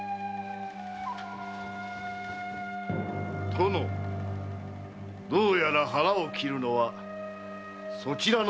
殿どうやら腹を切るのはそちらのようですな。